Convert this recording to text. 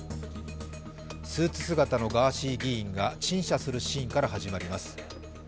スーツ姿のガーシー議員が陳謝するシーンから始まります。